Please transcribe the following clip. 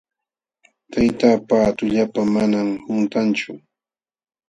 Tayta pa tullapan manam quntanchu.